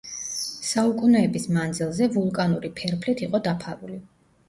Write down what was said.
საუკუნეების მანძილზე ვულკანური ფერფლით იყო დაფარული.